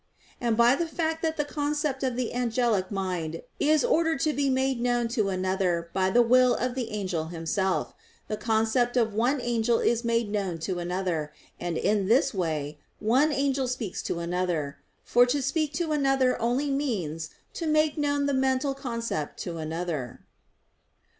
And by the fact that the concept of the angelic mind is ordered to be made known to another by the will of the angel himself, the concept of one angel is made known to another; and in this way one angel speaks to another; for to speak to another only means to make known the mental concept to another.